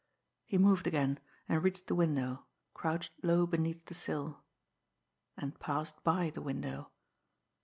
He moved again, and reached the window, crouched low beneath the sill and passed by the window.